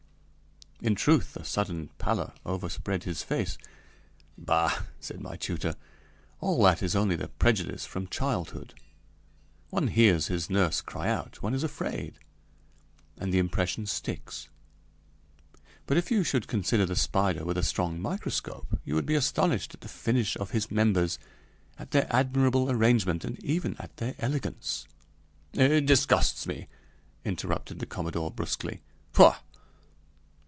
In truth, a sudden pallor overspread his face. "Bah!" said my tutor, "all that is only a prejudice from childhood one hears his nurse cry out one is afraid and the impression sticks. But if you should consider the spider with a strong microscope, you would be astonished at the finish of his members, at their admirable arrangement, and even at their elegance." "It disgusts me," interrupted the commodore brusquely. "Pouah!"